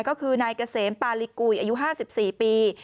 ก็คือนายเกษมปาลิกุยอายุ๕๔ปี